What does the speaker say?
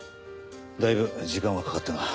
だいぶ時間はかかったが。